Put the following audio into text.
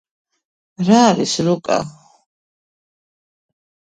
რა არის რუკა